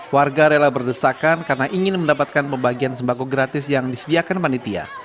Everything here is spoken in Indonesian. warga rela berdesakan karena ingin mendapatkan pembagian sembako gratis yang disediakan panitia